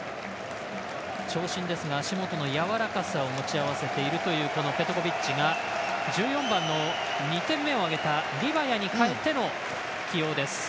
長身ですが足元のやわらかさを持ち合わせているというペトコビッチが１４番の２点目を挙げたリバヤに代えての起用です。